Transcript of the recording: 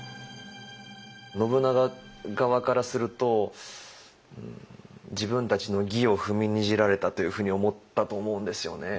信長側からすると自分たちの義を踏みにじられたというふうに思ったと思うんですよね。